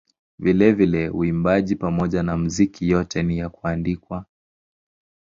Vilevile uimbaji pamoja na muziki yote ni ya kuandikwa.